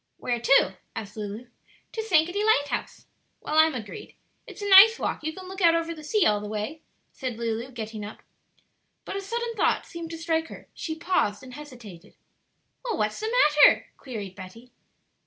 "Where to?" asked Lulu. "To Sankaty Lighthouse." "Well, I'm agreed; it's a nice walk; you can look out over the sea all the way," said Lulu, getting up. But a sudden thought seemed to strike her; she paused and hesitated. "Well, what's the matter?" queried Betty.